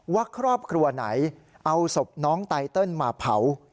ว่าครอบครัวไหนเอาศพน้องไตเติลมาเผา